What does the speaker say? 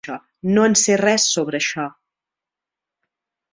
No en sé res sobre això.